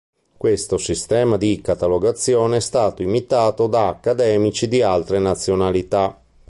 Questo sistema di catalogazione è stato imitato da accademici di altre nazionalità.